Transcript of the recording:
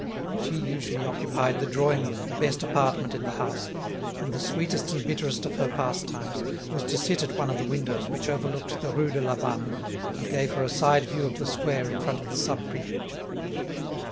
She usually occupied the drawing room, the best apartment in the house, and the sweetest and bitterest of her pastimes was to sit at one of the windows which overlooked the Rue de la Banne and gave her a side view of the square in front of the Sub Prefecture.